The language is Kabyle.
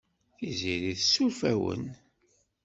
Tiziri tessuref-awen.